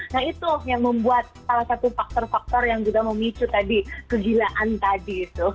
nah itu yang membuat salah satu faktor faktor yang juga memicu tadi kegilaan tadi itu